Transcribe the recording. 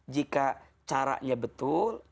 jika caranya betul